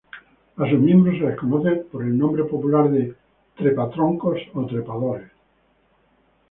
A sus miembros se les conoce por el nombre popular de trepatroncos o trepadores.